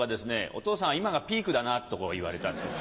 お父さんは今がピークだなとこう言われたんです。